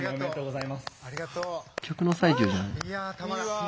いやたまらん。